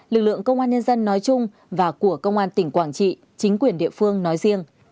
lực lượng công an nhân dân nói chung và của công an tỉnh quảng trị chính quyền địa phương nói riêng